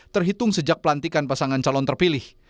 terhitung sejak pelantikan pasangan calon terpilih